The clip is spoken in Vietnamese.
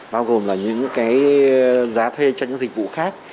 bao gồm là những cái giá thuê cho những dịch vụ khác